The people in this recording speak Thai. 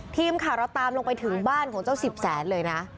ทีมข่าวเราตามลงไปถึงบ้านของเจ้าสิบแสนเลยนะ